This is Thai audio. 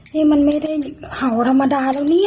นี่มันไม่ได้เห่าธรรมดาแล้วเนี่ย